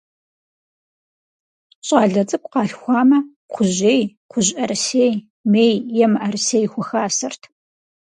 ЩӀалэ цӀыкӀу къалъхуамэ, кхъужьей, кхъужьӀэрысей, мей е мыӀэрысей хухасэрт.